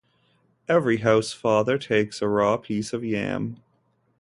Every house-father takes a raw piece of yam.